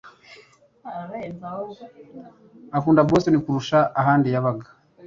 akunda Boston kurusha ahandi yabaga.